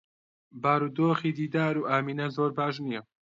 بارودۆخی دیدار و ئامینە زۆر باش نییە.